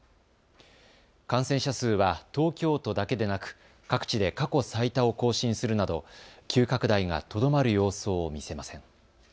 感染者数は東京都だけでなく各地で過去最多を更新するなど急拡大がとどまる様子を見せません。